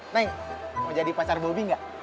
neng mau jadi pacar bobby gak